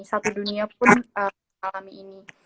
satu dunia pun mengalami ini